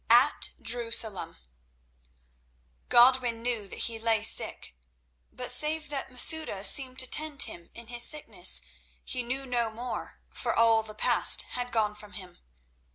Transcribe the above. At Jerusalem Godwin knew that he lay sick, but save that Masouda seemed to tend him in his sickness he knew no more, for all the past had gone from him.